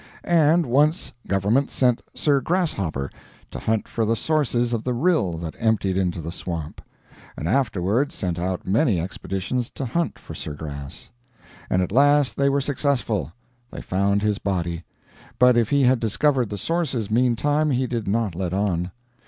And once government sent Sir Grass Hopper to hunt for the sources of the rill that emptied into the swamp; and afterward sent out many expeditions to hunt for Sir Grass, and at last they were successful they found his body, but if he had discovered the sources meantime, he did not let on.